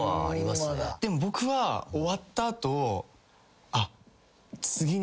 でも僕は終わった後。